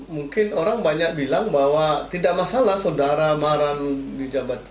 mungkin orang banyak bilang bahwa tidak masalah saudara maran di jabatan